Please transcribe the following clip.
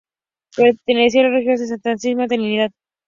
Perteneció a las Religiosas de la Santísima Trinidad.